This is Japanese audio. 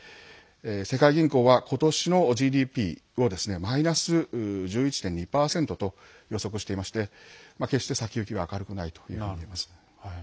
世界銀行は、ことしのＧＤＰをマイナス１１．２％と予測していまして決して先行きが明るくないといえます。